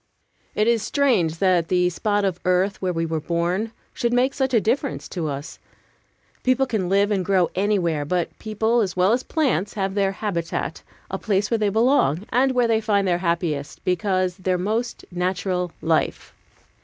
IT is strange that the spot of earth where we were born should make such a difference to us. People can live and grow anywhere, but people as well as plants have their habitat, the place where they belong, and where they find their happiest, because their most natural life.